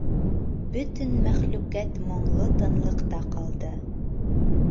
Бөтөн мәхлүкәт моңло тынлыҡта ҡалды.